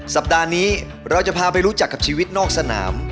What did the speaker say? สัปดาห์นี้เราจะพาไปรู้จักกับชีวิตนอกสนาม